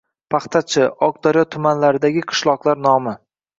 Paxtachi, Oqdaryo tumanlaridagi qishloqlar nomi.